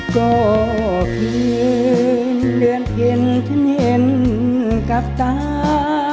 ก็เพลินเลือนเพลินฉันเห็นกลับตา